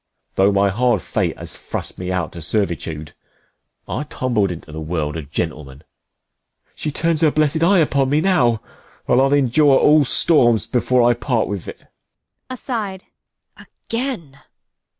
Though my hard fate has thrust me out to servitude, I tumbled into th'world a gentleman. She turns her blessed eye upon me now, 50 And I'll endure all storms before I part with't. Bea. [aside.] Again!